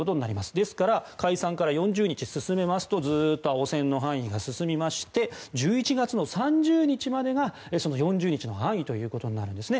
ですから解散から４０日進めますとずっと青線の範囲を進めまして１１月の３０日までがその４０日の範囲ということになるんですね。